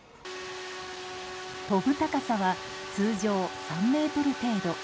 飛ぶ高さは通常３ｍ程度。